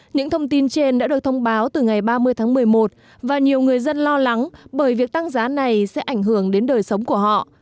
những thông tin trên đã được thông báo từ ngày ba mươi tháng một mươi một và nhiều người dân lo lắng bởi việc tăng giá này sẽ ảnh hưởng đến đời sống của họ